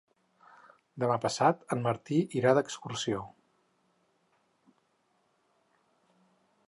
Demà passat en Martí irà d'excursió.